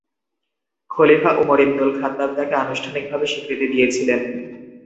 খলিফা Umar ibnul Khattab তাকে আনুষ্ঠানিকভাবে স্বীকৃতি দিয়েছিলেন।